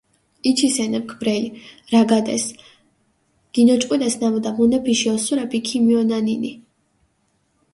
იჩის ენეფქ ბრელი, რაგადეს, გინოჭყვიდეს ნამუდა, მუნეფიში ოსურეფი ქიმიჸონანინი.